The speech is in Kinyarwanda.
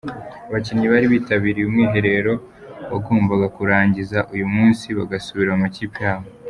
Abakinnyi bari bitabiriye umwiherero bagomba kuwurangiza uyu munsi bagasubira mu makipe yabo.